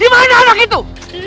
dimana anak itu